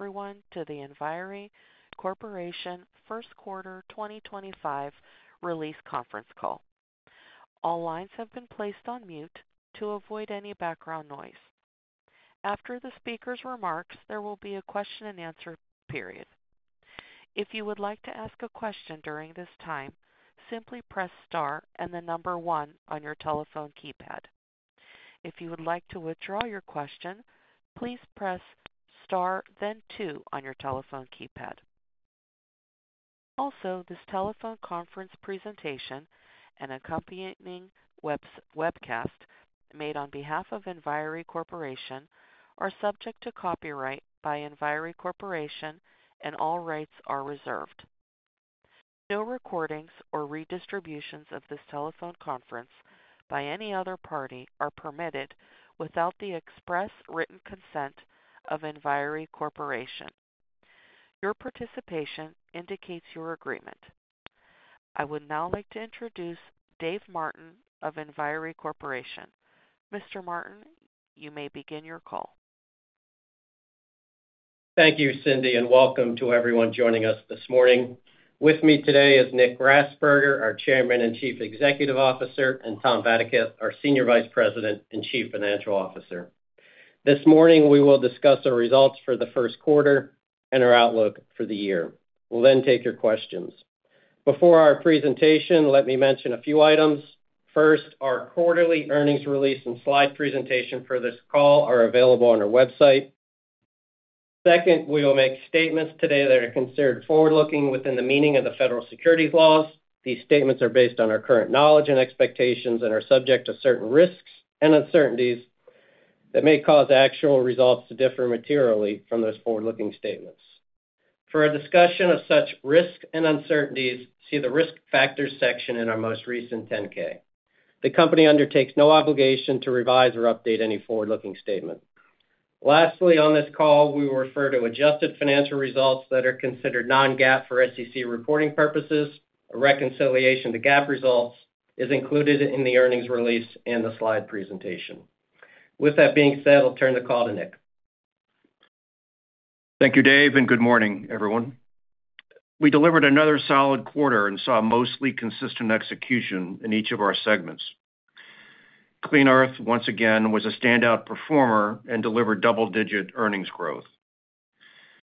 Everyone to the Enviri Corporation first quarter 2025 release conference call. All lines have been placed on mute to avoid any background noise. After the speaker's remarks, there will be a question-and-answer period. If you would like to ask a question during this time, simply press star and the number one on your telephone keypad. If you would like to withdraw your question, please press star then two on your telephone keypad. Also, this telephone conference presentation and accompanying webcast made on behalf of Enviri Corporation are subject to copyright by Enviri Corporation, and all rights are reserved. No recordings or redistributions of this telephone conference by any other party are permitted without the express written consent of Enviri Corporation. Your participation indicates your agreement. I would now like to introduce Dave Martin of Enviri Corporation. Mr. Martin, you may begin your call. Thank you, Cindy, and welcome to everyone joining us this morning. With me today is Nick Grasberger, our Chairman and Chief Executive Officer, and Tom Vadaketh, our Senior Vice President and Chief Financial Officer. This morning, we will discuss our results for the first quarter and our outlook for the year. We'll then take your questions. Before our presentation, let me mention a few items. First, our quarterly earnings release and slide presentation for this call are available on our website. Second, we will make statements today that are considered forward-looking within the meaning of the federal securities laws. These statements are based on our current knowledge and expectations and are subject to certain risks and uncertainties that may cause actual results to differ materially from those forward-looking statements. For a discussion of such risks and uncertainties, see the risk factors section in our most recent 10-K. The company undertakes no obligation to revise or update any forward-looking statement. Lastly, on this call, we will refer to adjusted financial results that are considered non-GAAP for SEC reporting purposes. A reconciliation to GAAP results is included in the earnings release and the slide presentation. With that being said, I'll turn the call to Nick. Thank you, Dave, and good morning, everyone. We delivered another solid quarter and saw mostly consistent execution in each of our segments. Clean Earth, once again, was a standout performer and delivered double-digit earnings growth.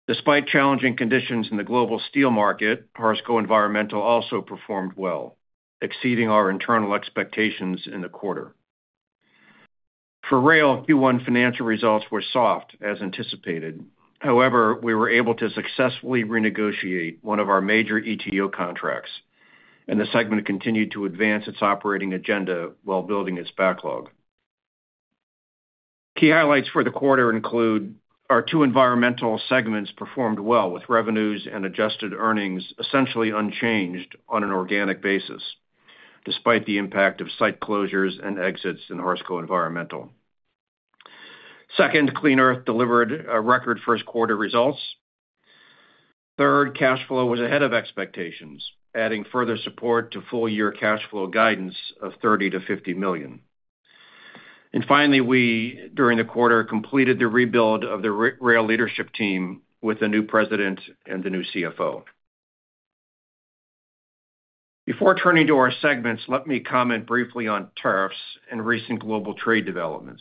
Despite challenging conditions in the global steel market, Harsco Environmental also performed well, exceeding our internal expectations in the quarter. For rail, Q1 financial results were soft as anticipated. However, we were able to successfully renegotiate one of our major ETO contracts, and the segment continued to advance its operating agenda while building its backlog. Key highlights for the quarter include our two environmental segments performed well with revenues and adjusted earnings essentially unchanged on an organic basis, despite the impact of site closures and exits in Harsco Environmental. Second, Clean Earth delivered record first quarter results. Third, cash flow was ahead of expectations, adding further support to full-year cash flow guidance of $30 million-$50 million. Finally, we, during the quarter, completed the rebuild of the rail leadership team with a new president and the new CFO. Before turning to our segments, let me comment briefly on tariffs and recent global trade developments.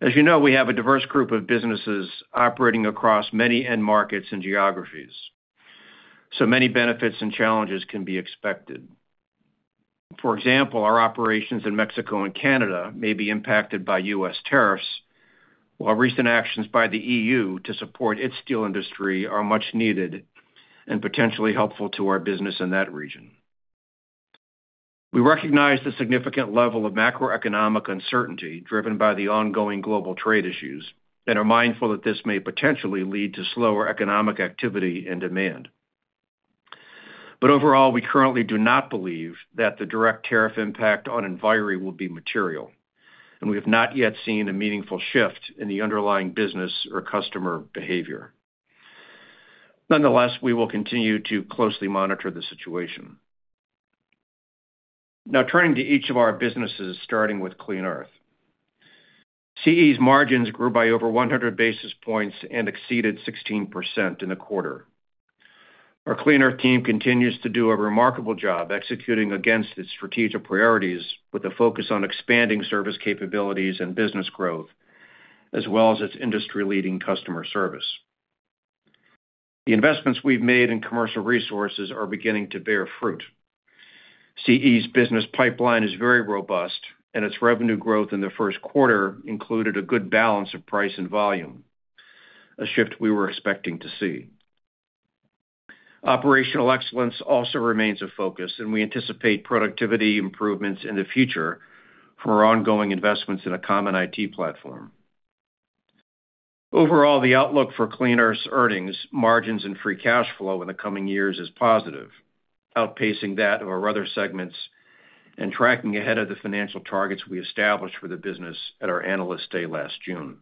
As you know, we have a diverse group of businesses operating across many end markets and geographies, so many benefits and challenges can be expected. For example, our operations in Mexico and Canada may be impacted by U.S. tariffs, while recent actions by the EU to support its steel industry are much needed and potentially helpful to our business in that region. We recognize the significant level of macroeconomic uncertainty driven by the ongoing global trade issues and are mindful that this may potentially lead to slower economic activity and demand. Overall, we currently do not believe that the direct tariff impact on Enviri will be material, and we have not yet seen a meaningful shift in the underlying business or customer behavior. Nonetheless, we will continue to closely monitor the situation. Now, turning to each of our businesses, starting with Clean Earth. CE's margins grew by over 100 basis points and exceeded 16% in the quarter. Our Clean Earth team continues to do a remarkable job executing against its strategic priorities with a focus on expanding service capabilities and business growth, as well as its industry-leading customer service. The investments we have made in commercial resources are beginning to bear fruit. CE's business pipeline is very robust, and its revenue growth in the first quarter included a good balance of price and volume, a shift we were expecting to see. Operational excellence also remains a focus, and we anticipate productivity improvements in the future from our ongoing investments in a common IT platform. Overall, the outlook for Clean Earth's earnings, margins, and free cash flow in the coming years is positive, outpacing that of our other segments and tracking ahead of the financial targets we established for the business at our analysts' day last June.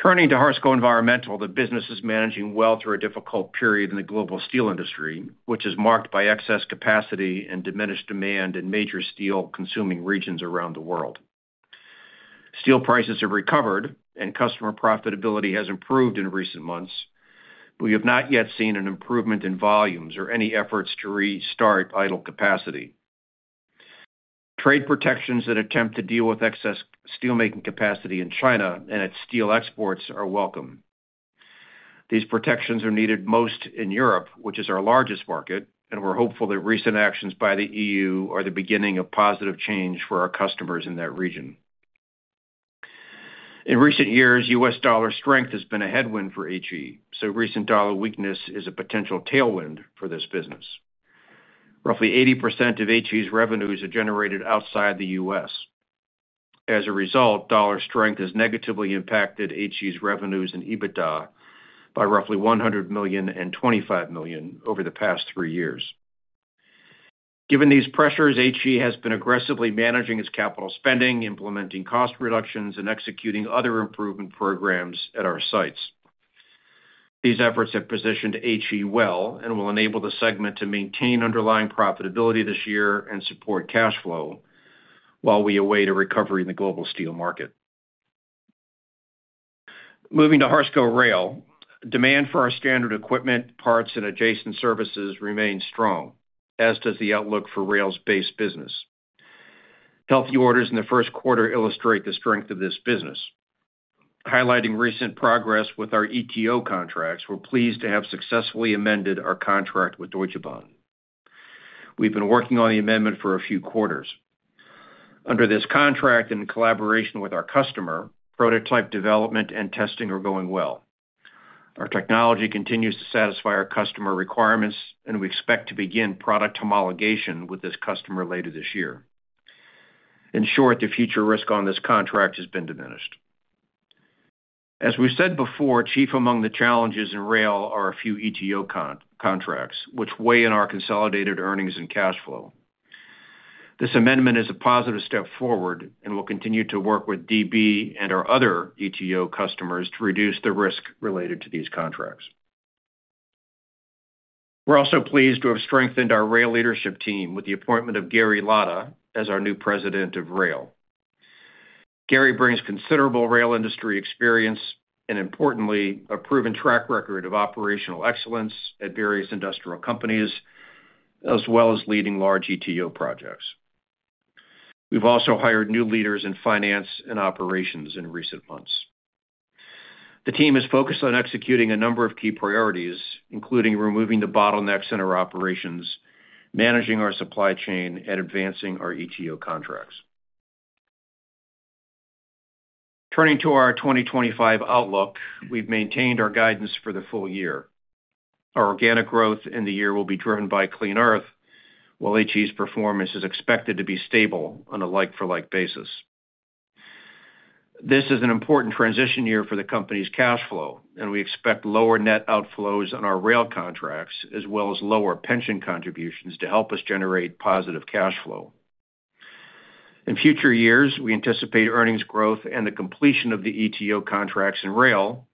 Turning to Harsco Environmental, the business is managing well through a difficult period in the global steel industry, which is marked by excess capacity and diminished demand in major steel-consuming regions around the world. Steel prices have recovered, and customer profitability has improved in recent months, but we have not yet seen an improvement in volumes or any efforts to restart idle capacity. Trade protections and attempts to deal with excess steelmaking capacity in China and its steel exports are welcome. These protections are needed most in Europe, which is our largest market, and we're hopeful that recent actions by the EU are the beginning of positive change for our customers in that region. In recent years, U.S. dollar strength has been a headwind for HE, so recent dollar weakness is a potential tailwind for this business. Roughly 80% of HE's revenues are generated outside the U.S. As a result, dollar strength has negatively impacted HE's revenues in EBITDA by roughly $100 million and $25 million over the past three years. Given these pressures, HE has been aggressively managing its capital spending, implementing cost reductions, and executing other improvement programs at our sites. These efforts have positioned HE well and will enable the segment to maintain underlying profitability this year and support cash flow while we await a recovery in the global steel market. Moving to Harsco Rail, demand for our standard equipment, parts, and adjacent services remains strong, as does the outlook for rail's base business. Healthy orders in the first quarter illustrate the strength of this business. Highlighting recent progress with our ETO contracts, we're pleased to have successfully amended our contract with Deutsche Bahn. We've been working on the amendment for a few quarters. Under this contract and in collaboration with our customer, prototype development and testing are going well. Our technology continues to satisfy our customer requirements, and we expect to begin product homologation with this customer later this year. In short, the future risk on this contract has been diminished. As we've said before, chief among the challenges in rail are a few ETO contracts, which weigh in our consolidated earnings and cash flow. This amendment is a positive step forward and will continue to work with DB and our other ETO customers to reduce the risk related to these contracts. We're also pleased to have strengthened our rail leadership team with the appointment of Gary Lada as our new President of Rail. Gary brings considerable rail industry experience and, importantly, a proven track record of operational excellence at various industrial companies, as well as leading large ETO projects. We've also hired new leaders in finance and operations in recent months. The team is focused on executing a number of key priorities, including removing the bottlenecks in our operations, managing our supply chain, and advancing our ETO contracts. Turning to our 2025 outlook, we've maintained our guidance for the full year. Our organic growth in the year will be driven by Clean Earth, while HE's performance is expected to be stable on a like-for-like basis. This is an important transition year for the company's cash flow, and we expect lower net outflows on our rail contracts, as well as lower pension contributions to help us generate positive cash flow. In future years, we anticipate earnings growth and the completion of the ETO contracts in rail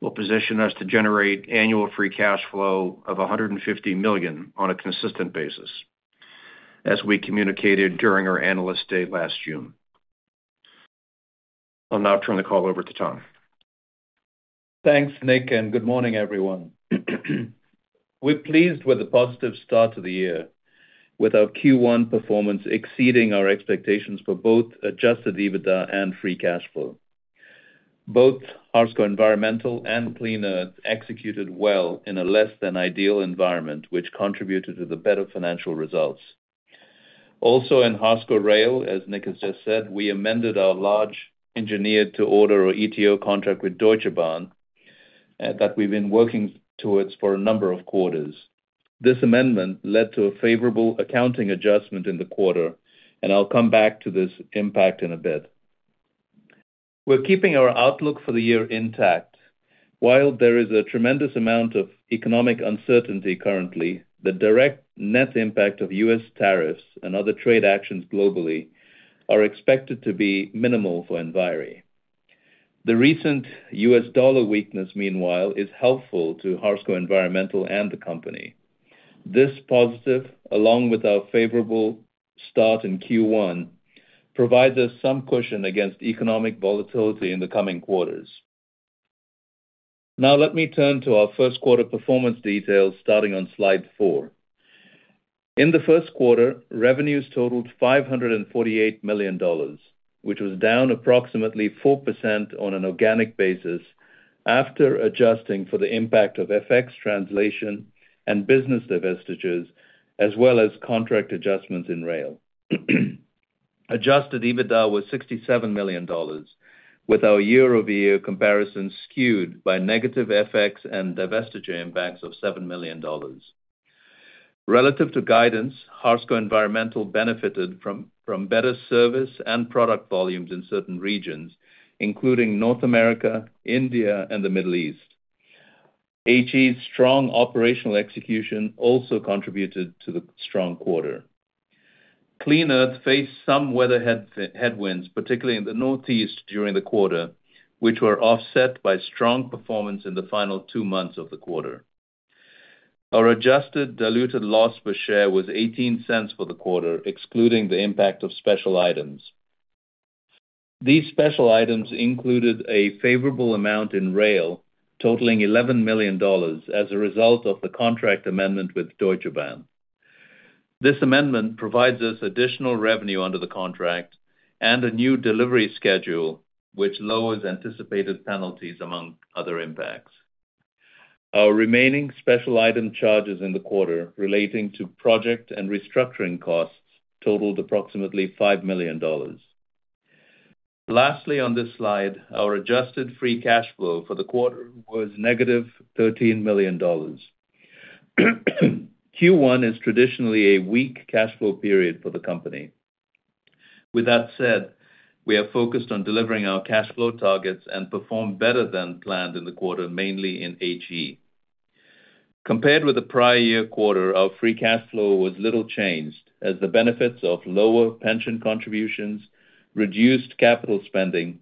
will position us to generate annual free cash flow of $150 million on a consistent basis, as we communicated during our analysts' day last June. I'll now turn the call over to Tom. Thanks, Nick, and good morning, everyone. We're pleased with the positive start to the year, with our Q1 performance exceeding our expectations for both adjusted EBITDA and free cash flow. Both Harsco Environmental and Clean Earth executed well in a less-than-ideal environment, which contributed to the better financial results. Also, in Harsco Rail, as Nick has just said, we amended our large engineered-to-order or ETO contract with Deutsche Bahn that we've been working towards for a number of quarters. This amendment led to a favorable accounting adjustment in the quarter, and I'll come back to this impact in a bit. We're keeping our outlook for the year intact. While there is a tremendous amount of economic uncertainty currently, the direct net impact of U.S. tariffs and other trade actions globally are expected to be minimal for Enviri. The recent U.S. Dollar weakness, meanwhile, is helpful to Harsco Environmental and the company. This positive, along with our favorable start in Q1, provides us some cushion against economic volatility in the coming quarters. Now, let me turn to our first quarter performance details starting on slide four. In the first quarter, revenues totaled $548 million, which was down approximately 4% on an organic basis after adjusting for the impact of FX translation and business divestitures, as well as contract adjustments in rail. Adjusted EBITDA was $67 million, with our year-over-year comparison skewed by negative FX and divestiture impacts of $7 million. Relative to guidance, Harsco Environmental benefited from better service and product volumes in certain regions, including North America, India, and the Middle East. HE's strong operational execution also contributed to the strong quarter. Clean Earth faced some weather headwinds, particularly in the Northeast during the quarter, which were offset by strong performance in the final two months of the quarter. Our adjusted diluted loss per share was $0.18 for the quarter, excluding the impact of special items. These special items included a favorable amount in Rail totaling $11 million as a result of the contract amendment with Deutsche Bahn. This amendment provides us additional revenue under the contract and a new delivery schedule, which lowers anticipated penalties among other impacts. Our remaining special item charges in the quarter relating to project and restructuring costs totaled approximately $5 million. Lastly, on this slide, our adjusted free cash flow for the quarter was negative $13 million. Q1 is traditionally a weak cash flow period for the company. With that said, we have focused on delivering our cash flow targets and performed better than planned in the quarter, mainly in HE. Compared with the prior year quarter, our free cash flow was little changed, as the benefits of lower pension contributions, reduced capital spending,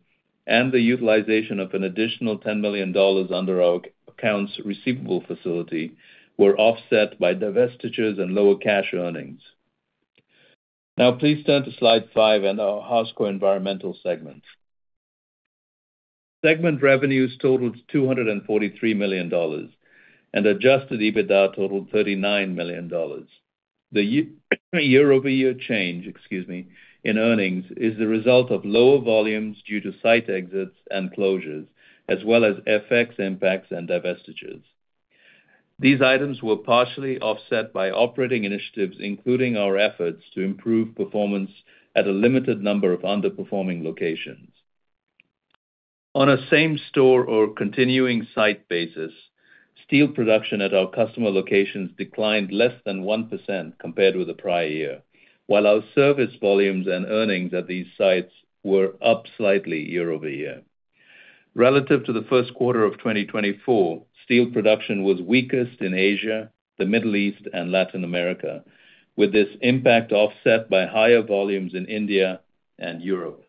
and the utilization of an additional $10 million under our accounts receivable facility were offset by divestitures and lower cash earnings. Now, please turn to slide five and our Harsco Environmental segment. Segment revenues totaled $243 million, and adjusted EBITDA totaled $39 million. The year-over-year change, excuse me, in earnings is the result of lower volumes due to site exits and closures, as well as FX impacts and divestitures. These items were partially offset by operating initiatives, including our efforts to improve performance at a limited number of underperforming locations. On a same-store or continuing-site basis, steel production at our customer locations declined less than 1% compared with the prior year, while our service volumes and earnings at these sites were up slightly year-over-year. Relative to the first quarter of 2024, steel production was weakest in Asia, the Middle East, and Latin America, with this impact offset by higher volumes in India and Europe.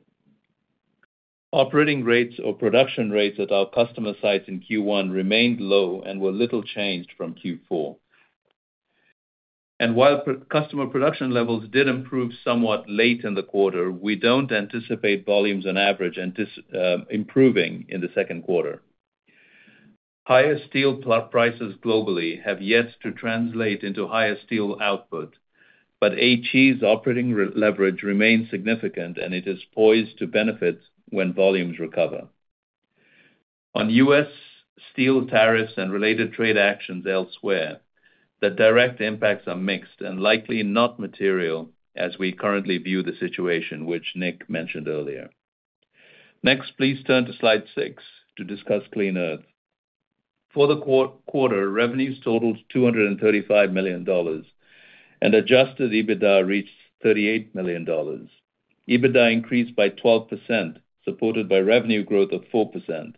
Operating rates or production rates at our customer sites in Q1 remained low and were little changed from Q4. While customer production levels did improve somewhat late in the quarter, we don't anticipate volumes on average improving in the second quarter. Higher steel prices globally have yet to translate into higher steel output, but HE's operating leverage remains significant, and it is poised to benefit when volumes recover. On U.S. Steel tariffs and related trade actions elsewhere, the direct impacts are mixed and likely not material as we currently view the situation, which Nick mentioned earlier. Next, please turn to slide six to discuss Clean Earth. For the quarter, revenues totaled $235 million, and adjusted EBITDA reached $38 million. EBITDA increased by 12%, supported by revenue growth of 4%,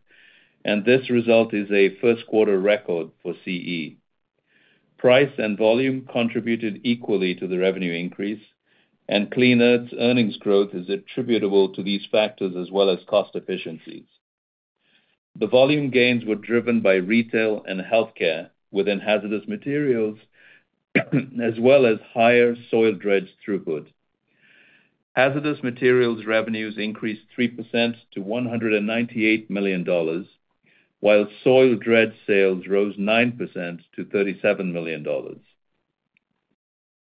and this result is a first-quarter record for CE. Price and volume contributed equally to the revenue increase, and Clean Earth's earnings growth is attributable to these factors as well as cost efficiencies. The volume gains were driven by retail and healthcare within hazardous materials, as well as higher soil dredge throughput. Hazardous materials revenues increased 3% to $198 million, while soil dredge sales rose 9% to $37 million.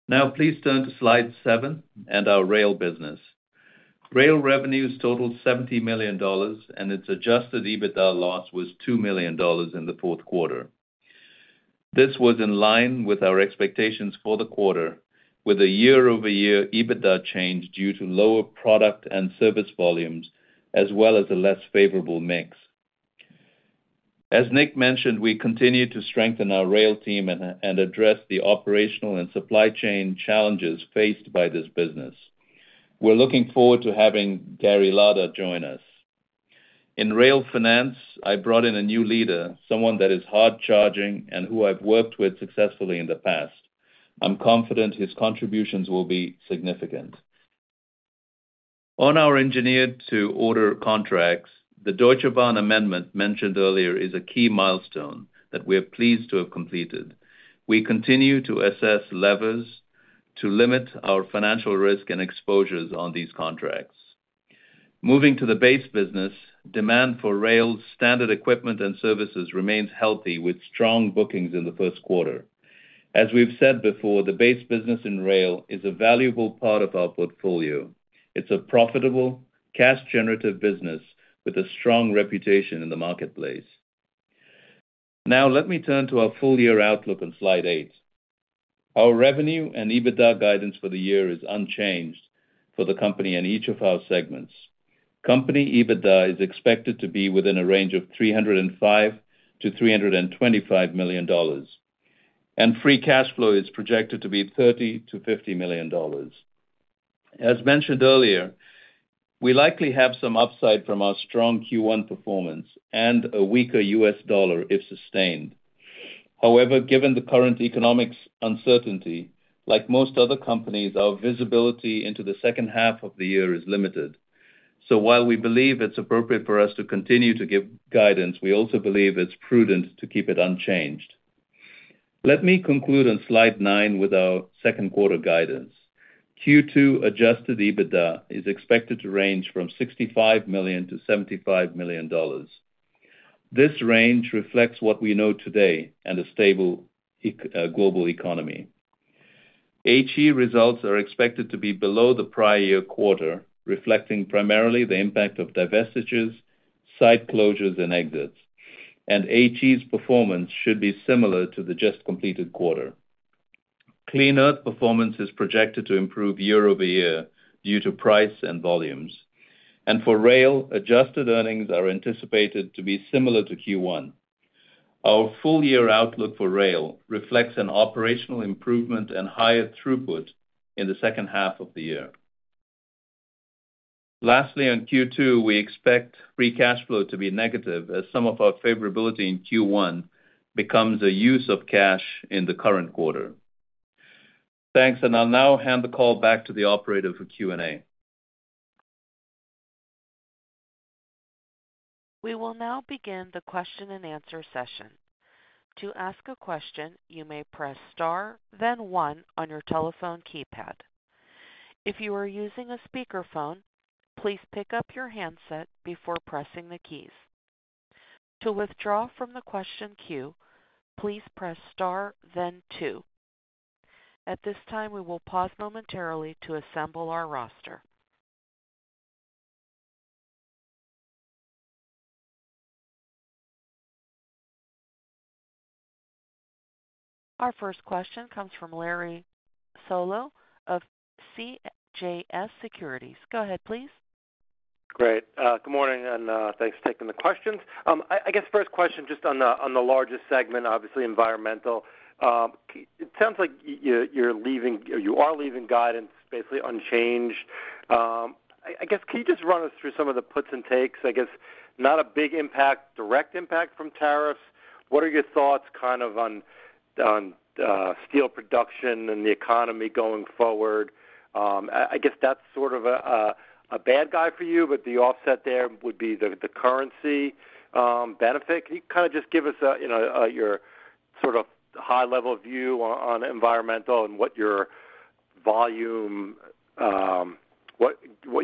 Now, please turn to slide seven and our rail business. Rail revenues totaled $70 million, and its adjusted EBITDA loss was $2 million in the fourth quarter. This was in line with our expectations for the quarter, with a year-over-year EBITDA change due to lower product and service volumes, as well as a less favorable mix. As Nick mentioned, we continue to strengthen our rail team and address the operational and supply chain challenges faced by this business. We're looking forward to having Gary Lada join us. In rail finance, I brought in a new leader, someone that is hard-charging and who I've worked with successfully in the past. I'm confident his contributions will be significant. On our engineered-to-order contracts, the Deutsche Bahn amendment mentioned earlier is a key milestone that we are pleased to have completed. We continue to assess levers to limit our financial risk and exposures on these contracts. Moving to the base business, demand for rail's standard equipment and services remains healthy, with strong bookings in the first quarter. As we've said before, the base business in rail is a valuable part of our portfolio. It's a profitable, cash-generative business with a strong reputation in the marketplace. Now, let me turn to our full-year outlook on slide eight. Our revenue and EBITDA guidance for the year is unchanged for the company and each of our segments. Company EBITDA is expected to be within a range of $305-$325 million, and free cash flow is projected to be $30-$50 million. As mentioned earlier, we likely have some upside from our strong Q1 performance and a weaker U.S. dollar if sustained. However, given the current economic uncertainty, like most other companies, our visibility into the second half of the year is limited. While we believe it's appropriate for us to continue to give guidance, we also believe it's prudent to keep it unchanged. Let me conclude on slide nine with our second-quarter guidance. Q2 adjusted EBITDA is expected to range from $65 million-$75 million. This range reflects what we know today and a stable global economy. HE results are expected to be below the prior year quarter, reflecting primarily the impact of divestitures, site closures, and exits, and HE's performance should be similar to the just-completed quarter. Clean Earth performance is projected to improve year-over-year due to price and volumes. For rail, adjusted earnings are anticipated to be similar to Q1. Our full-year outlook for rail reflects an operational improvement and higher throughput in the second half of the year. Lastly, on Q2, we expect free cash flow to be negative as some of our favorability in Q1 becomes a use of cash in the current quarter. Thanks, and I'll now hand the call back to the operator for Q&A. We will now begin the question-and-answer session. To ask a question, you may press star, then one on your telephone keypad. If you are using a speakerphone, please pick up your handset before pressing the keys. To withdraw from the question queue, please press star, then two. At this time, we will pause momentarily to assemble our roster. Our first question comes from Larry Solow of CJS Securities. Go ahead, please. Great. Good morning, and thanks for taking the questions. I guess first question, just on the largest segment, obviously environmental. It sounds like you are leaving guidance basically unchanged. I guess, can you just run us through some of the puts and takes? I guess not a big impact, direct impact from tariffs. What are your thoughts kind of on steel production and the economy going forward? I guess that's sort of a bad guy for you, but the offset there would be the currency benefit. Can you kind of just give us your sort of high-level view on environmental and what you're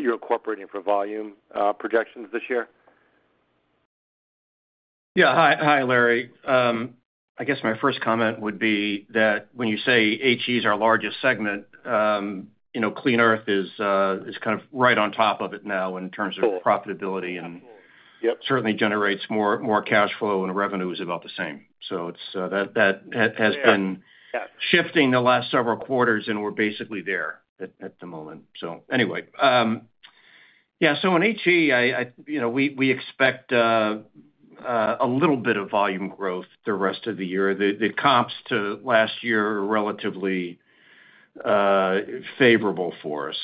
incorporating for volume projections this year? Yeah. Hi, Larry. I guess my first comment would be that when you say HE's our largest segment, Clean Earth is kind of right on top of it now in terms of profitability and certainly generates more cash flow, and revenue is about the same. That has been shifting the last several quarters, and we're basically there at the moment. Anyway, yeah, in HE, we expect a little bit of volume growth the rest of the year. The comps to last year are relatively favorable for us.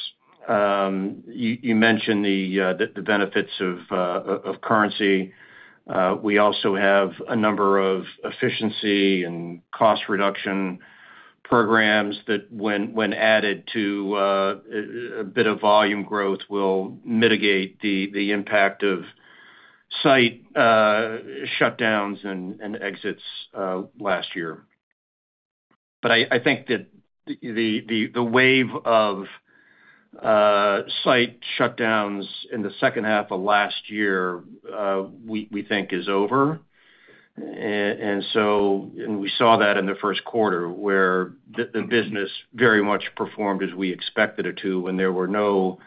You mentioned the benefits of currency. We also have a number of efficiency and cost reduction programs that, when added to a bit of volume growth, will mitigate the impact of site shutdowns and exits last year. I think that the wave of site shutdowns in the second half of last year, we think, is over. We saw that in the first quarter where the business very much performed as we expected it to, and there were no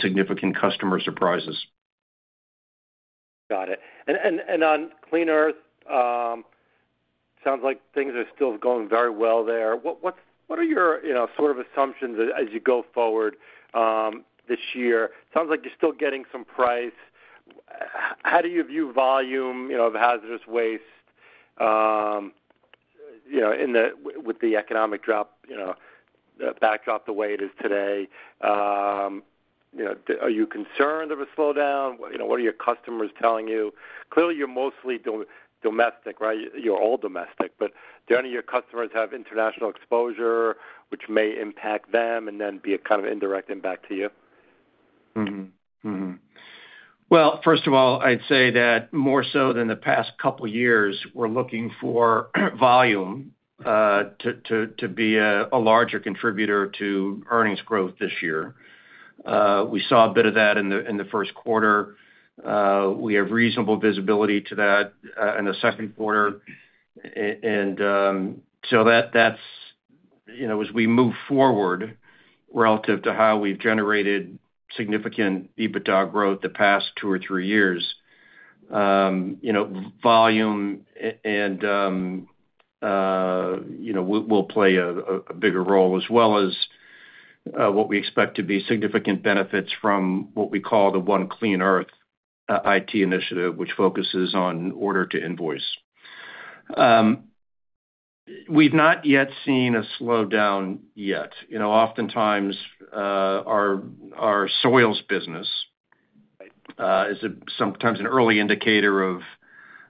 significant customer surprises. Got it. On Clean Earth, it sounds like things are still going very well there. What are your sort of assumptions as you go forward this year? It sounds like you're still getting some price. How do you view volume of hazardous waste with the economic backdrop the way it is today? Are you concerned of a slowdown? What are your customers telling you? Clearly, you're mostly domestic, right? You're all domestic, but do any of your customers have international exposure, which may impact them and then be a kind of indirect impact to you? First of all, I'd say that more so than the past couple of years, we're looking for volume to be a larger contributor to earnings growth this year. We saw a bit of that in the first quarter. We have reasonable visibility to that in the second quarter. As we move forward relative to how we've generated significant EBITDA growth the past two or three years, volume will play a bigger role, as well as what we expect to be significant benefits from what we call the One Clean Earth IT initiative, which focuses on order-to-invoice. We've not yet seen a slowdown yet. Oftentimes, our soils business is sometimes an early indicator of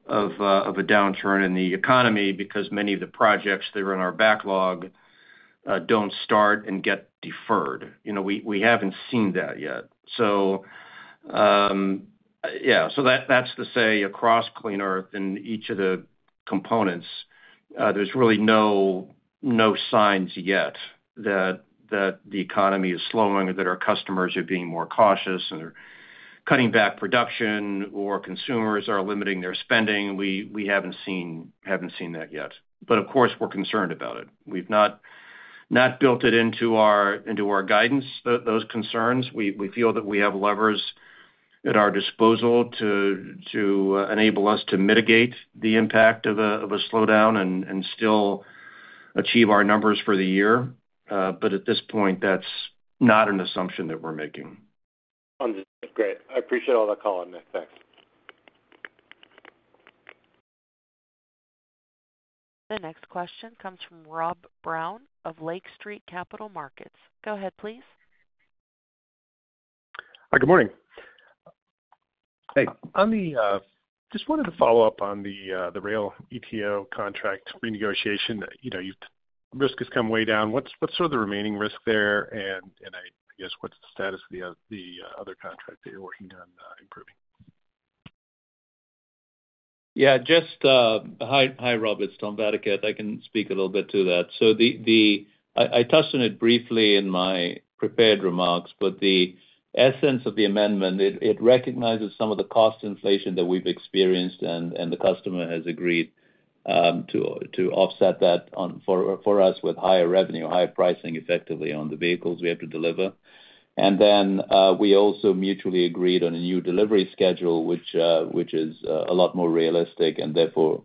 a downturn in the economy because many of the projects that are in our backlog don't start and get deferred. We haven't seen that yet. Yeah, that's the say across Clean Earth in each of the components. There's really no signs yet that the economy is slowing, that our customers are being more cautious and are cutting back production, or consumers are limiting their spending. We haven't seen that yet. Of course, we're concerned about it. We've not built it into our guidance, those concerns. We feel that we have levers at our disposal to enable us to mitigate the impact of a slowdown and still achieve our numbers for the year. At this point, that's not an assumption that we're making. Understood. Great. I appreciate all that call, Nick. Thanks. The next question comes from Rob Brown of Lake Street Capital Markets. Go ahead, please. Hi, good morning. Hey. Just wanted to follow up on the rail ETO contract renegotiation. Risk has come way down. What's sort of the remaining risk there? I guess, what's the status of the other contract that you're working on improving? Yeah. Just hi, Rob. It's Tom Vadaketh. I can speak a little bit to that. I touched on it briefly in my prepared remarks, but the essence of the amendment, it recognizes some of the cost inflation that we've experienced, and the customer has agreed to offset that for us with higher revenue, higher pricing, effectively, on the vehicles we have to deliver. We also mutually agreed on a new delivery schedule, which is a lot more realistic and therefore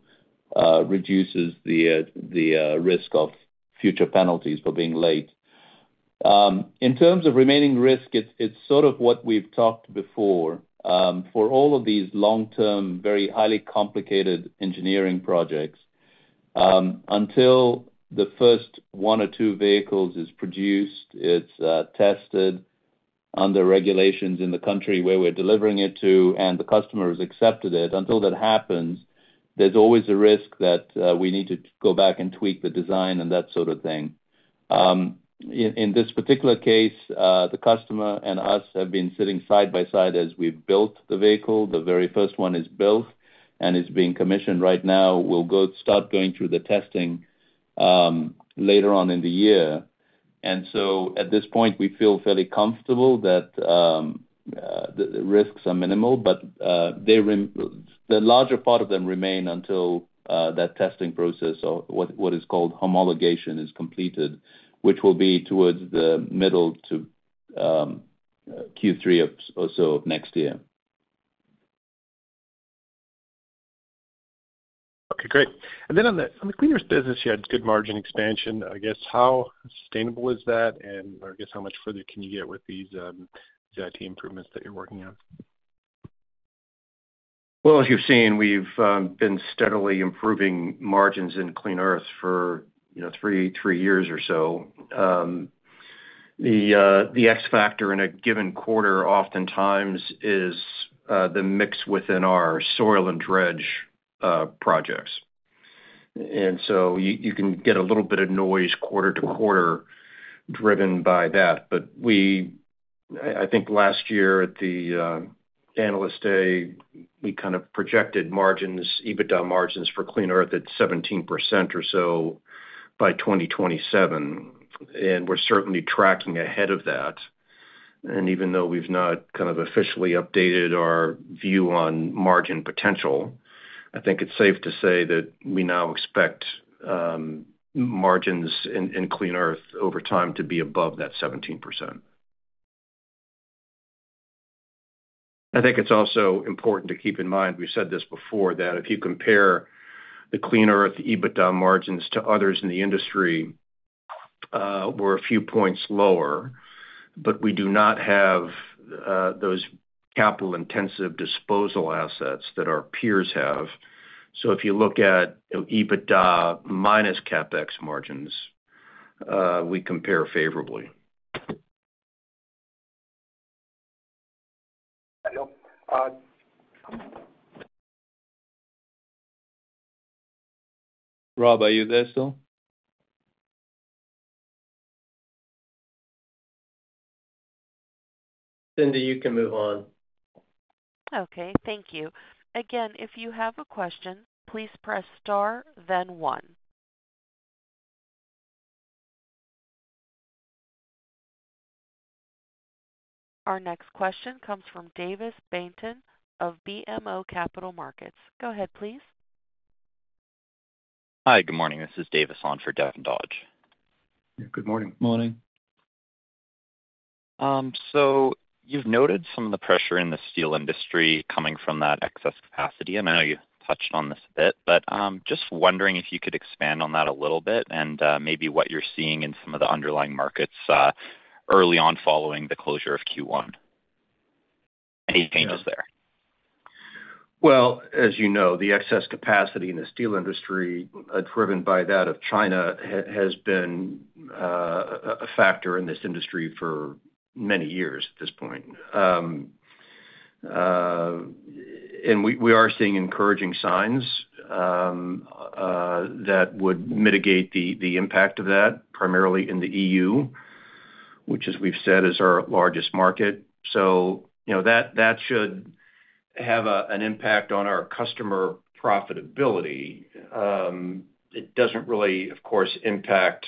reduces the risk of future penalties for being late. In terms of remaining risk, it's sort of what we've talked before. For all of these long-term, very highly complicated engineering projects, until the first one or two vehicles are produced, it's tested under regulations in the country where we're delivering it to, and the customer has accepted it, until that happens, there's always a risk that we need to go back and tweak the design and that sort of thing. In this particular case, the customer and us have been sitting side by side as we've built the vehicle. The very first one is built and is being commissioned right now. We will start going through the testing later on in the year. At this point, we feel fairly comfortable that the risks are minimal, but the larger part of them remain until that testing process, or what is called homologation, is completed, which will be towards the middle to Q3 or so of next year. Okay. Great. On the Clean Earth business, you had good margin expansion. I guess, how sustainable is that? I guess, how much further can you get with these IT improvements that you're working on? As you've seen, we've been steadily improving margins in Clean Earth for three years or so. The X factor in a given quarter oftentimes is the mix within our soil and dredge projects. You can get a little bit of noise quarter to quarter driven by that. I think last year at the analyst day, we kind of projected margins, EBITDA margins for Clean Earth at 17% or so by 2027. We're certainly tracking ahead of that. Even though we've not kind of officially updated our view on margin potential, I think it's safe to say that we now expect margins in Clean Earth over time to be above that 17%. I think it's also important to keep in mind, we've said this before, that if you compare the Clean Earth EBITDA margins to others in the industry, we're a few points lower, but we do not have those capital-intensive disposal assets that our peers have. If you look at EBITDA minus CapEx margins, we compare favorably. Rob, are you there still? Cindy, you can move on. Okay. Thank you. Again, if you have a question, please press star, then one. Our next question comes from Davis Bainton of BMO Capital Markets. Go ahead, please. Hi, good morning. This is Davis on for Devin Dodge. Good morning. Morning. You've noted some of the pressure in the steel industry coming from that excess capacity. I know you touched on this a bit, but just wondering if you could expand on that a little bit and maybe what you're seeing in some of the underlying markets early on following the closure of Q1. Any changes there? As you know, the excess capacity in the steel industry, driven by that of China, has been a factor in this industry for many years at this point. We are seeing encouraging signs that would mitigate the impact of that, primarily in the EU, which, as we've said, is our largest market. That should have an impact on our customer profitability. It does not really, of course, impact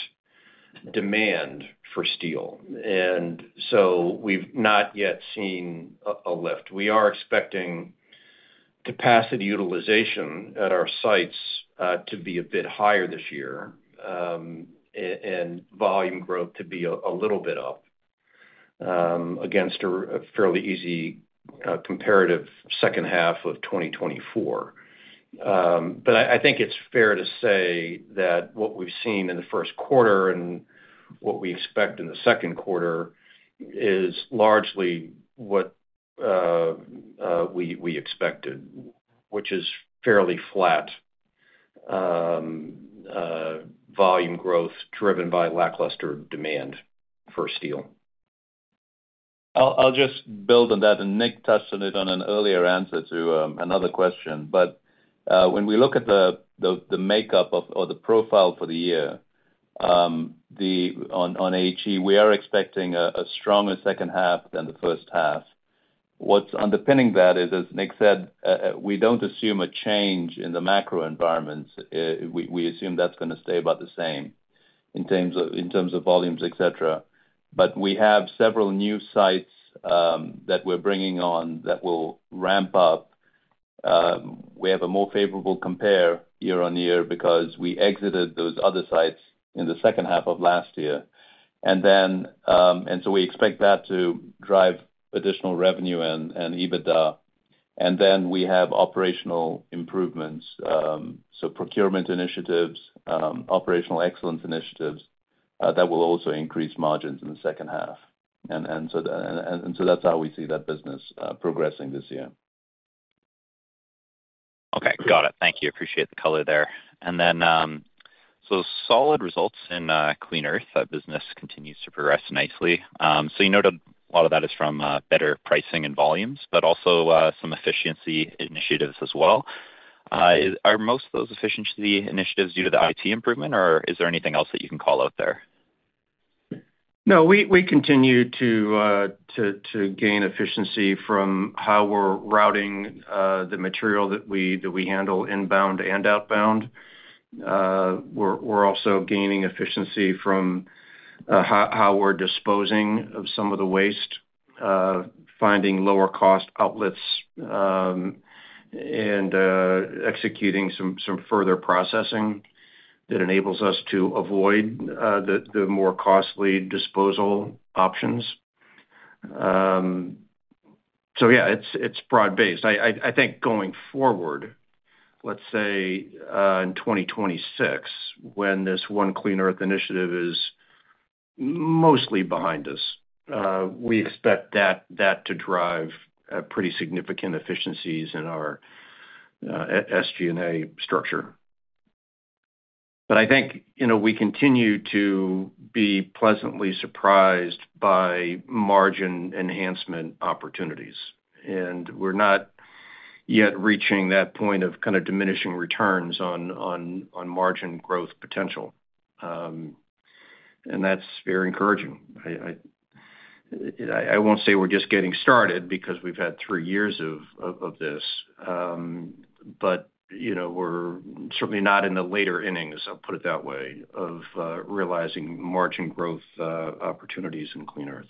demand for steel. We have not yet seen a lift. We are expecting capacity utilization at our sites to be a bit higher this year and volume growth to be a little bit up against a fairly easy comparative second half of 2024. I think it's fair to say that what we've seen in the first quarter and what we expect in the second quarter is largely what we expected, which is fairly flat volume growth driven by lackluster demand for steel. I'll just build on that. Nick touched on it in an earlier answer to another question. When we look at the makeup or the profile for the year on HE, we are expecting a stronger second half than the first half. What's underpinning that is, as Nick said, we do not assume a change in the macro environment. We assume that's going to stay about the same in terms of volumes, etc. We have several new sites that we're bringing on that will ramp up. We have a more favorable compare year on year because we exited those other sites in the second half of last year. We expect that to drive additional revenue and EBITDA. We also have operational improvements, so procurement initiatives, operational excellence initiatives that will also increase margins in the second half. That is how we see that business progressing this year. Okay. Got it. Thank you. Appreciate the color there. That business continues to progress nicely. You noted a lot of that is from better pricing and volumes, but also some efficiency initiatives as well. Are most of those efficiency initiatives due to the IT improvement, or is there anything else that you can call out there? No, we continue to gain efficiency from how we're routing the material that we handle inbound and outbound. We're also gaining efficiency from how we're disposing of some of the waste, finding lower-cost outlets, and executing some further processing that enables us to avoid the more costly disposal options. Yeah, it's broad-based. I think going forward, let's say in 2026, when this One Clean Earth initiative is mostly behind us, we expect that to drive pretty significant efficiencies in our SG&A structure. I think we continue to be pleasantly surprised by margin enhancement opportunities. We're not yet reaching that point of kind of diminishing returns on margin growth potential. That's very encouraging. I won't say we're just getting started because we've had three years of this, but we're certainly not in the later innings, I'll put it that way, of realizing margin growth opportunities in Clean Earth.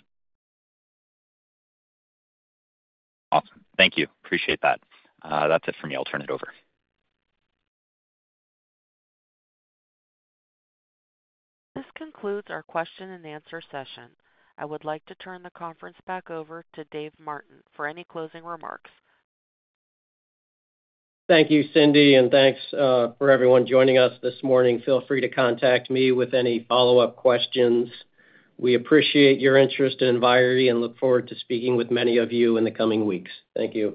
Awesome. Thank you. Appreciate that. That's it for me. I'll turn it over. This concludes our question-and-answer session. I would like to turn the conference back over to Dave Martin for any closing remarks. Thank you, Cindy, and thanks for everyone joining us this morning. Feel free to contact me with any follow-up questions. We appreciate your interest and invite and look forward to speaking with many of you in the coming weeks. Thank you.